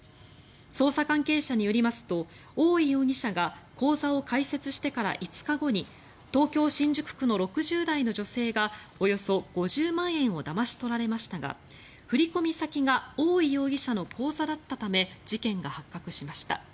捜査関係者によりますと大井容疑者が口座を開設してから５日後に東京・新宿区の６０代の女性がおよそ５０万円をだまし取られましたが振込先が大井容疑者の口座だったため事件が発覚しました。